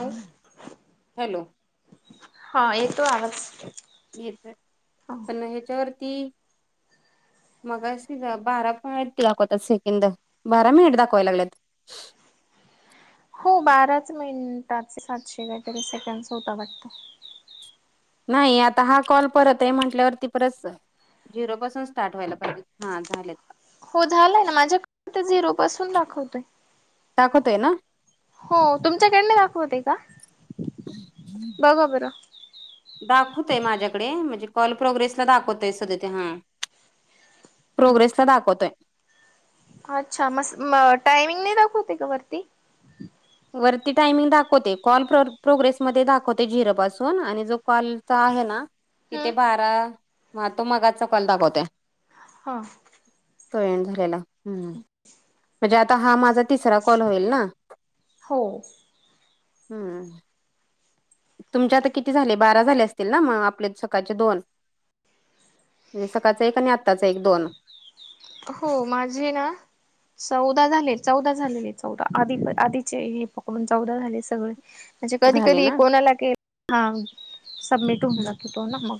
हम्म. Hello, hello हा येतो आवाज? येत पण ह्याच्यावरती मग बारा पण आहेत ते दाखवतात सेकंद. बर मेड द कोयलाेत. हो बाराच मिनटाचे सातशे काहीतरी सेकंड होतं वाटत. नाही आता हा कॉल परत आहे म्हटल्यावरती परस झिरो पासून स्टार्ट व्हायला पाहिजे हा झाले. हो झालाय ना माझ्याकडे झिरो पासून दाखवतय. टाकतोय ना. हो तुमच्याकडे नाय दाखवत आहे का? बघा बरं. दाखवतय माझ्याकडे म्हणजे कॉल प्रोग्रेसला दाखवतय सध ते हां. प्रोग्रेसला दाखवतोय. अच्छा मस् टायमिंग नाही दाखवते का वरती वरती टायमिंग दाखवते कॉल प्रोग्रेसमध्येध्ये दाखवते झिरो पासून आणि जो कॉलचा आहे ना. हम्म तिथे बारा म तो मगाज चकल दाखवत. हां. तळीण झालेला, हम्. म्हणजे आता हा माझा तिसरा कॉल होईल ना, हो. हम्म. तुमचे आता किती झाले बारा झाले असतील ना मग आपले सकाळचे दोन म्हणजे सकाळचा एक आणि आत्ताचा एक दोन. हो माझी ना. चौदा झाले चौदा झालेले चौदा आधी आधीचे हे पकडून चौदा झाले सगळे. म्हणजे कधी, झाले कधी ना कोणाला के, हा सबमिट होऊन हम्म. जात तो ना मग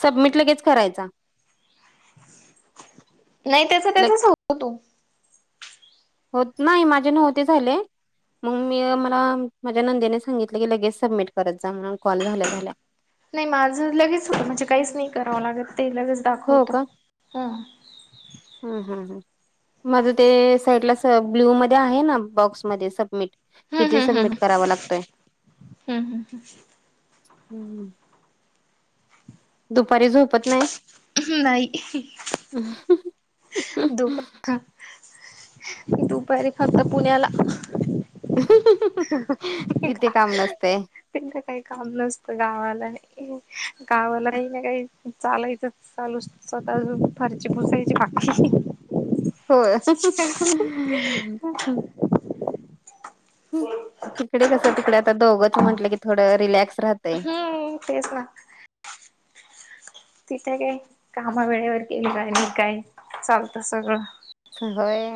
सबमिट लगेच करायचा. नाही त्याच ल त्याचच हो तू हो नाही माझे नव्हते झाले. मग मी मला माझ्या नंदीने सांगितलं की लगेज सबमिट करत जा म्हणून कॉल झाल्या झाल्या. नाही माझं लगेच हो म्हणजे काहीच नाही करावं लागत ते लगेच हो दाखवत. का माझं ते साईडला स ब्ल्यूमध्येध्ये आहे ना. बॉक्स म सबमिट हम्म तिथे हम्म हम्म सबमिट करावा लागतोय. हम्म हम्म. दुपारी झोपत नाही. नाही. हंम. दुप दुपारी फक्त पुण्याला तिथे का? काम नसतय त्यांच काही काम नसतं गावाला गावालाही ना काही. चालायचंच चालू स्वतः फरची पुसायची बाकीकी. हो. तिकडे कसं तिकडे आता दोघंच म्हटलं की थोडं रिलॅक्स राहतंय. हम तेच ना. तिथे काही कामा वेळेवर केली काय मी काय चालत सगळं. व्हय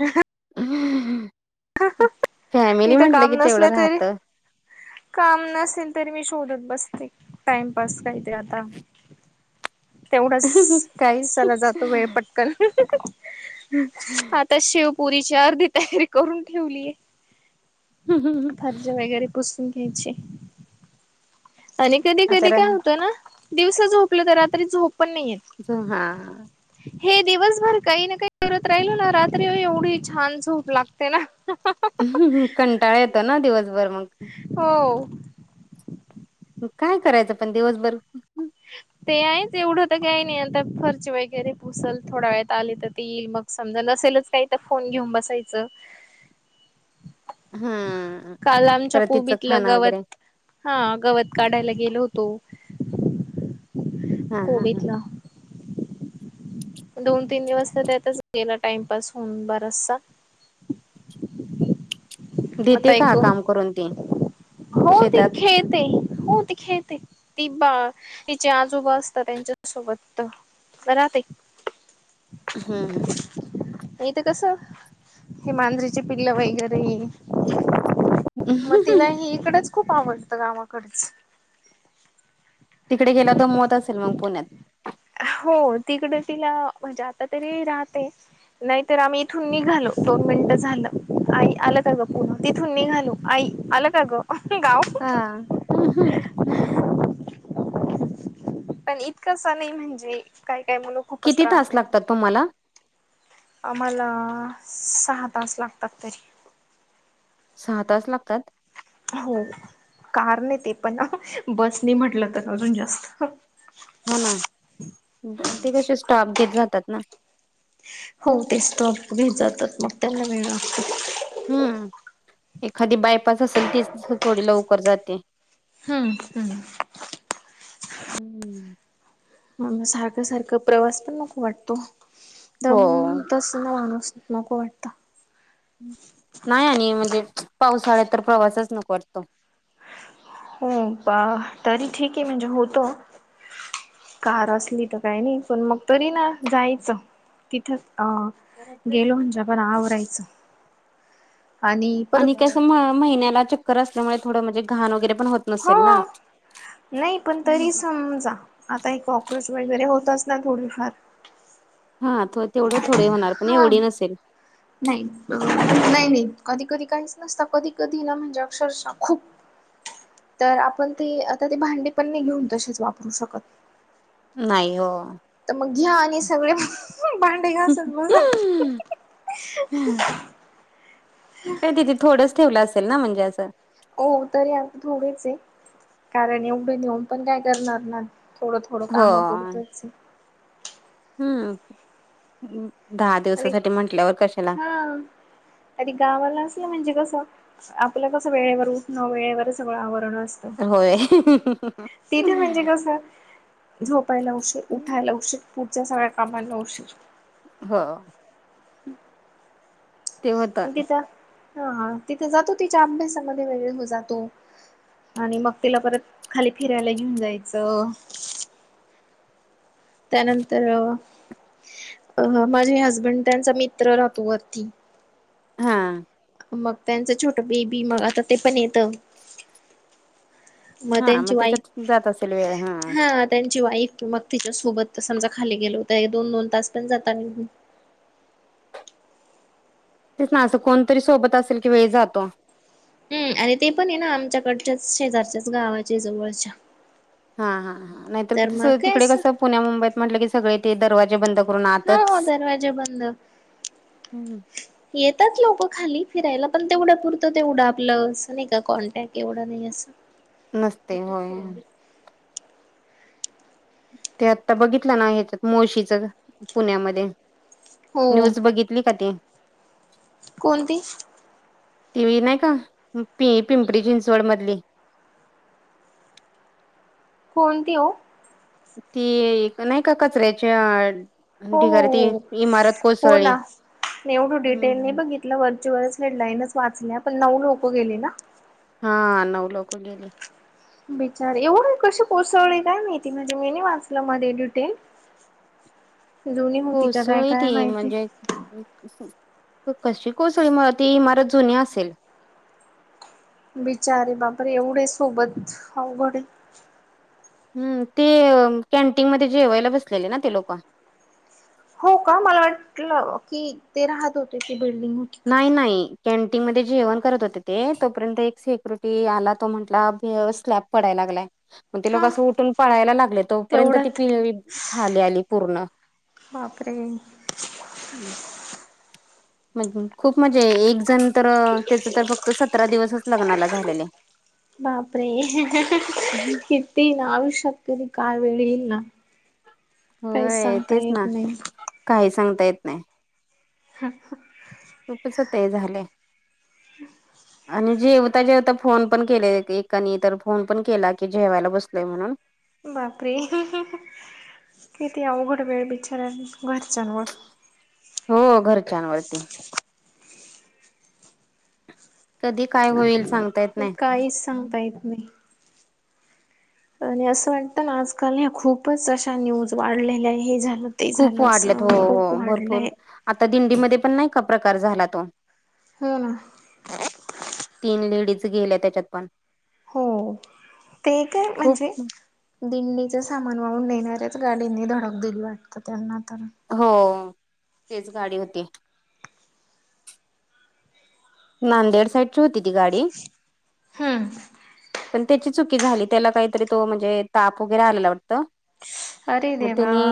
ह हं फॅमिली इथं म्हंटलं काम कि तेवढं नसलं तरी राहतं. काम नसेल तरी मी शोधत बसते टाइमपास काही ते आता [inaudible] तेवढाच, काय चला जातो वेळ पट आता शिवपुरीची अर्धी तयारी करून ठेवलीय. हम् हम ह. ्या व घरी प पुोसून घ्यायचे. आणि कधी आता कधी रा काय होतं ना दिवस झोपलं तर रात्री झोप पण नाहीयेत. ज हा. हे दिवसभर काही ना काही करत राहिलो ना रात्री एवढी छान झूप लागते ना. हंम, हं, कंटाळा येतो ना दिवसभर, मग हो. काय करायचं पण दिवसभर ते आहेच एवढं तर काय नाही, आता फर्च वगैरे पुसल, थोडा वेळेत आले तर ते येईल मग समजा नसेलच काही तर फोन घेऊन बसायचं. [unintelligible] हम्म काल आमच्या पर तिचं कोबीतलं खाणं वगैरे. गवत हा गवत काढायला गेलो होतो. हा हा हा कोविितला. दोन तीन दिवस तर त्यातच गेला टाइमपास होऊन बराचसा. मत् देते का एको. काम करून ते हो त खेळते. हो ती खेळते ती बा तिचे आजोबा असतात त्यांच्यासोबत करा ते हंम, हं येतं कस हे मांजरीची पिल्ल वैगैरे मग हम्म तिलाही इकडंच खूप आवडतं गावाकडचं तिकडे गेला दो मत असेल मग पुण्यात. हो तिकडं तिला म्हणजे आता तरी राहते. नाहीत तर आम्ही इथून निघालो दोन मिनिटं झालं आई आलं का ग पुन्हा तिथून निघालो. अय अला का गं,, गाव. हा पण इतकंसा नाही म्हणजे काय काय मुलं. खूपच किती त्रास तास देतात. लागतात तुम्हाला. आम्हाला सहा तास लागतात तरी. सहा तास लागतात. हो कार नाही ते पण बस नाही म्हटलं तर अजून जास्त. हा ना ते कशी स्टॉप घेत जातात ना. हो ते स्टप भे जातात मग त्यांना वेळ लागत. हम्म,, एखादी बायपास असेल तीच थोडी लवकर जाते. हम्म हम् हम्मम हा म सारखं, सारख प्रवास पण नको वाटतो, हो दंमं तस मं नुसतीच नको वाटत नाय आणि म्हणजे पाऊसाळ्यात तर प्रवासच नको वाटतो. हो बा तरी ठीक ये म्हणजे होतो. कार असली तर काय नाही पण म तरी ना जायचं तिथं अ गेलो म्हणजे आपण आवरायचं. आणि कसं म महिन्याला चक्कर असल्यामुळे थोडं म्हणजे घाण वगैरे पण होट हा नाई पण तरीच समजा आता हे कॉक्रोच वगैरे होतच ना थोडीफार हा थ तेवढं थोडे होणार पण हां एवढी नसेल नाही नाही नाही कधी कधी काहीच नसत कधी कधी ना म्हणजे अक्षरश खूप [inaudible] तर आपण ती आता ती भांडी पण नय घेऊन तशीच वापरू शकत. नाई ओ त मग घ्या आणि सगळे मं भांडी घासत बसा [unintelligible] ते तिथे थोडंच ठेवलं असेल ना म्हणजे असं हो तरी आता थोडेच ये कारण एवढं नेऊन पण काय करणार ना थोडं थोडं हो कामं पुरतच ये. हम्म दहा आणि दिवसासाठी म्हटल्यावर कशाला? आदी गावाला असलं म्हणजे कसं आपलं कसं वेळेवर उठणं वेळेवर सगळं आवरण अस होय. तिथे म्हणजे कसं झोपायला उशीर उठायला उशीर पुढच्या सगळ्या कामाला उशीर हो. ते होत अनं तिथं हा तिथं जातो तिच्या अभ्यासामध्ये वेगळ हो जातो. आणि मग तिला परत खाली फिरायला घेऊन जायचं. त्यानंतर अ अ माझे हसबंड त्यांचा मित्र राहतो वरती हां मग त्यांचं छोट बेबी मग आता ते पण येत. हा म त्याच्यात वाईफ जात असेल वेळ हा त्यांची वाईफ मग तिच्या सोबत समजा खाली गेलो त एक दोन दोन तास पण जाता निघून. तेच ना, असं कोणतरी सोबत असेल की वेळ जातो. हूं आणि ते पण ये ना आमच्याकडच्याच शेजारच्याच गावाचे जवळच्या हा हा हा नायतर ते तर कस मग काय तिकडे असं कसं पुण्या मुंबईत म्हटलं की सगळे ते दरवाजे बंद करून हो आतच हो दरवाजे बंद हम्म, येतात लोक खाली फिरायला,, पण तेवढ्या पुरतं तेवढं, आपलं असं नाय का कॉन्टॅक्ट एवढं नाय असं नसतय होय. ते आत्ता बघितलं ना हयाच्यात मोळशीच पुण्यामध्ये हो न्यूज बघितली का ती कोणती? ती नाय का पि पिंपरी चिंचवड मधली कोणते ओ? ती एक नाय का कचऱ्याच्या हो ढिगारी ती हो हो इमारत हो कोसळी हूं हूं कुठल्या वरचवरच हेडलाईनच वाचल्या पण नऊ लोक गेली ना. हा नऊ लोक गेली. बिचार एवढ कशी पसळले काय माहिती म्हणे मी वाचलं मध्ये डिटेल. जुनी होती हो का काय सोय काय त माहिती म्हणजे कशी कोसळी म ती इमारत जुनी असेल. बिचार बापर एवढे सोबत अवघडे. हम् ते कॅन्टीन मध्ये जे अवलेब असलेले ना ते लोक हो का मला वाटलं की ते राहत होते तेी बिल्डिंग का नाही नाही. कॅन्टीन मध्ये जेवण करत होते ते तोपर्यंत एक सेिक्युरिटी आला तो म्हटला स्लॅब. पडाय लागलाय. मग ते लोक हा. असं उठून पळायला लागले तोपर्यंत ती तेवढ्यात पिळी खाली आली पूर्ण बाप रे! हम्म. खूप म्हणजे एक जण तर त्याच तर फक्त सतरा दिवसच लग्नाला झालेले. हम्म. अपे ते ना आयुष्यात करी काय वेळ येईल ना काहीच होय सांगता तेच येत ना नाही. काही सांगता येत नाही. खूपच ते झालंय आणि जे ता ज आता फोन पण केले एकानी तर फोन पण केला की जेवायला बसलोय म्हणून बापरे किती अवघड वेळ बिचार घरच्यानवर हो घरच्यांवरती कधी काय होईल सांगता येत नाही. काहीच सांगता येत नाही. आणि असं वाटतं ना आजकाल ह्या खूपच अशा न्यूज वाढलेल्या हे झालं. ते खूप झालं वाढल्यात असं हो हो खूप भरपूर वाढलंय आता दिंडीमध्ये पण नाही का प्रकार झाला तो हा ना. तीन लेडीज गेल्या त्याच्यात पण हो,, ते काय खूप म्हणजे? दिंडीच सामान वाहून नेणाऱ्याच गाडींनी धडक दिली वाटत त्यांना तर हो तेच गाडी होती. नांदेड साईडची होती ती गाडी हम्म पण त्याची चुकी झाली त्याला काहीतरी तो म्हणजे ताप वगैरे आलेला वाटत. अरे मग देवा त्यानी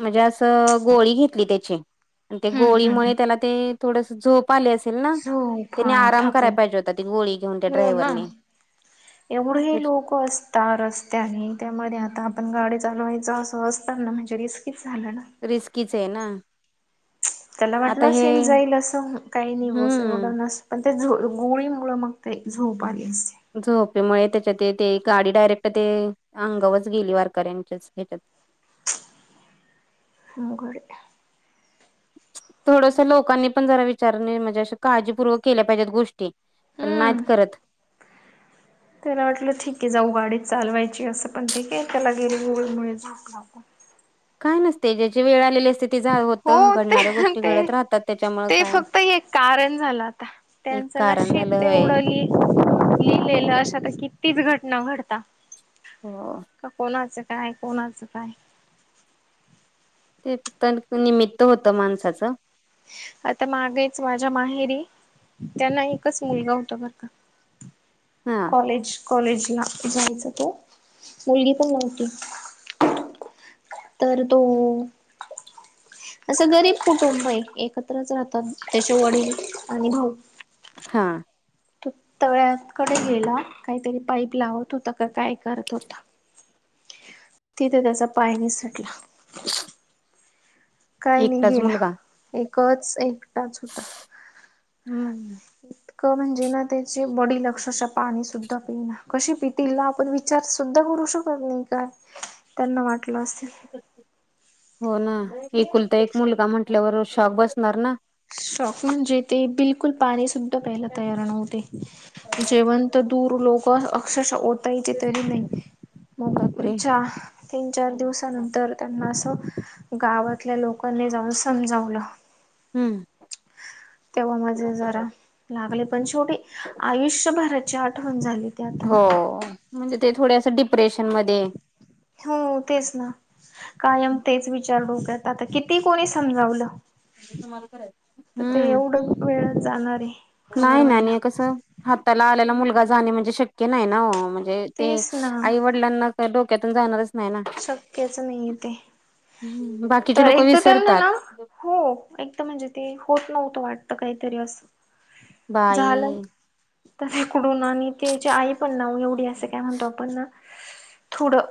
म्हणजे असं गोळी घेतली त्याची आणि ते हम्म हम्म हम्म. गोळीमुळे त्याला ते थोडस झोप आले असेल ना. झोप हा त्याने आराम ठाकू करायला पाहिजे होता ती गोळी घेऊन त्या हो ना ड्रायव्हरने एवढे हे लोक असत. त रस्त्या आणि त्यामध्ये आता आपण गाडी चालवायचं असं असताना म्हणजे रिस्कीच झालं ना. रिस्कीच आहे ना. त्याला वाटलं आता हे असेल जाईल असं काही नाही बस हम्म एवढं नस. पण ते झो गोळीमुळं मग ते झोपाली असते. झोपेमुळे त्याच्यात ते गाडी डायरेक्ट ते अंगावच गेली वारकऱ्यांच्याच ह्याच्यात. मुंगर थोडस लोकांनी पण जरा विचारणे म्हणजे काळजीपूर्वक केल्या पाहिजेत गोष्टी पण नाहीत हम्म करत. त्याला वाटलं ठीक आहे जाऊ गाडीत चालवायची असं पण ठीक आहे त्याला गेले गळमुळे आप आपण काय नसते ज्याची वेळ आलेली असते. ते झा हो होतं घडणाऱ्या ते गोष्टी ते घडत राहतात त्याच्यामुळे ते काय फक्त एक कारण झालं आता एक त्यांचं कारण नशीब झालं ते होय उडली लिहिलेलं अश आता किती घटना घडतात. हो. का कोणाचं काय कोणाचं काय? तेस्त निमित्त होत माणसाचं. आता मागेच माझ्या माहेरी त्यांना एकच मुलगा होता बर का? हा, कॉलेज कॉलेज ला जायचा त मुलगी पण नव्हती. तर तोऽ. असं गरीब कुटुंब आहे एकत्रच राहतात त्याचे वडील आणि भाऊ. हा. तो तळ्याकडे गेला,, काहीतरी पाईप लावत होता का काय करत होता. तिथे त्याचा पायने सुटला. काही नाही एकटाच गेला मुलगा एकच एकटाच होता. हम्म, इतकं म्हणजे ना त्याचे बॉडी लक्षशा पाणी सुद्धा पिना कसे पितील ना आपण. विचार सुद्धा करू शकत नाही काय त्यांना वाटलं अस. हो ना एकुलता एक मुलगा म्हटल्यावर शॉक बसणार ना. शॉक म्हणजे ते बिलकुल पाणी सुद्धा पहियला तयार नव्हते जेवण. दूर लोक अक्षरश. तरी नाही मग बापरे च तीन चार हम्म दिवसानंतर. त्यांना असं गावातल्या लोकांनी जाऊन समजावलं. हम्म तेव्हा मज जरा लागले पण शेवटी आयुष्य भारत. आठवण झाली. ते आता ना हो,, म्हणजे ते थोडे असं डिप्रेशन मध्येऽ हो तेच ना कायम तेच विचार डोक्यात आता किती कोणी समजावलं. तर ते हम्म एवढं वेळ जाणार आहे. कव्हर नाही नाही व्हायला नाही कसं हाताला आलेला मुलगा जाणे म्हणजे शक्य नाही ना म्हणजे. ते तेच ना आईवडिलांना डोक्यातून जाणारच. नाही ना शक्यच नाही आहे तेे,, हम्म, बाकीचे तर लोक एक तर त्यांना विसरतात. नाऽ हो एकद म्हणजे ते होत नव्हतं वाटत काहीतरी असं झाला. बाई तच्याकडून आणि त्याची आई पण ना एवढी असं काय म्हणतो आपण थोडं.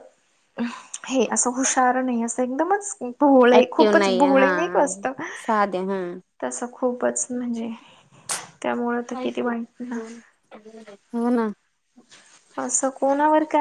हे असं हुशार नाही असं एकदमच. भोळ ऍक्टिव्ह खूपच नाहीये भोळ हा नाही वात साधे हा. तसं खूपच म्हणजे त्यामुळं तर किती वाईट ना. हो ना. असं कोणावर का.